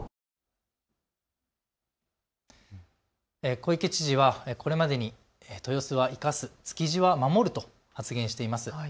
小池知事はこれまでに豊洲は生かす築地は守ると発言しています。